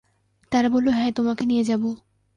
তারা বলল, হ্যাঁ, তোমাকে নিয়ে যাব।